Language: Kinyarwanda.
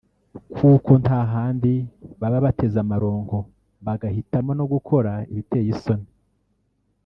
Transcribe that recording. kuko nta handi baba bateze amaronko bagahitamo no gukora ibiteye isoni